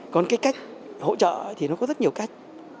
còn cái cách hỗ trợ thì nó có rất nhiều cách